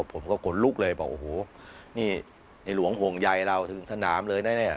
ผมก็ขนลุกเลยบอกโอ้โหนี่ในหลวงห่วงใยเราถึงสนามเลยแน่